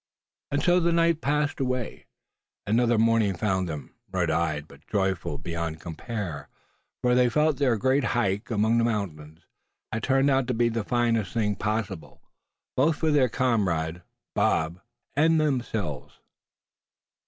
And so the night passed away, and another morning found them, red eyed but joyful beyond compare; for they felt that their great hike among the mountains had turned out to be the finest thing possible, both for their comrade, Bob, and themselves.